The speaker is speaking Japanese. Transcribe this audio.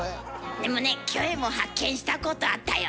でもねキョエも発見したことあったよ。